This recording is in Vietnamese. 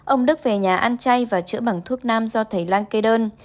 ông đức về nhà ăn chay và chữa bằng thuốc nam do thầy lan cây đơn